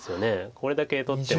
これだけ取っても。